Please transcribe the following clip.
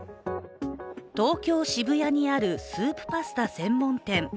東京・渋谷にあるスープパスタ専門店。